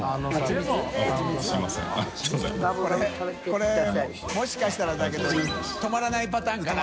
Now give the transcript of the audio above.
海もしかしたらだけど止まらないパターンかな？